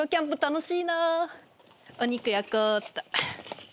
お肉焼こうっと。